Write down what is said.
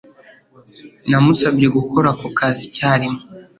Namusabye gukora ako kazi icyarimwe.